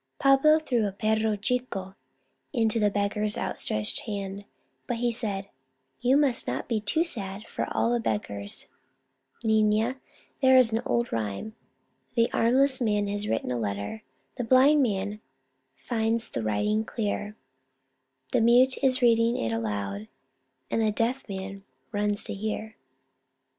Pablo threw a perro chico into the beggar's outstretched hand, but he said :" You must not be too sad for all the beggars, nina ; there is an old rhyme :"* The armless man has written a letter, The blind man finds the writing clear ; The mute is reading it aloud, And the deaf man runs to hear.'